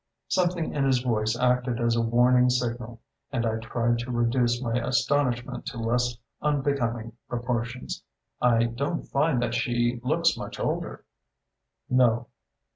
Something in his voice acted as a warning signal, and I tried to reduce my astonishment to less unbecoming proportions. "I don't find that she looks much older." "No.